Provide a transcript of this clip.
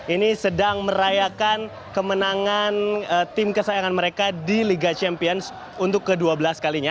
ini sedang merayakan kemenangan tim kesayangan mereka di liga champions untuk ke dua belas kalinya